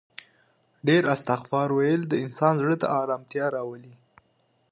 ډیر استغفار ویل د انسان زړه ته آرامتیا ورکوي